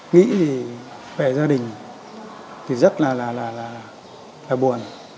nghĩ về gia đình thì rất là buồn